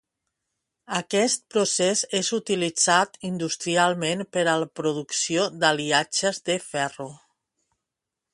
Aquest procés és utilitzat industrialment per a la producció d'aliatges de ferro.